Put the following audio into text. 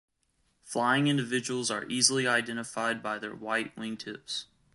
Flying individuals are easily identified by their white wingtips.